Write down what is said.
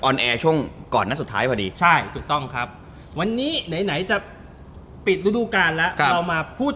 นี่ที่เราอัด